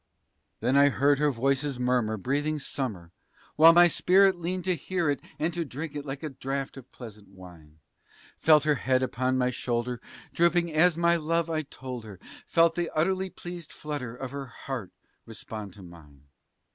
Then I heard her voice's murmur breathing summer, while my spirit Leaned to hear it and to drink it like a draught of pleasant wine; Felt her head upon my shoulder drooping as my love I told her; Felt the utterly pleased flutter of her heart respond to mine.